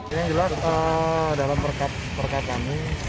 ini juga dalam perkat kami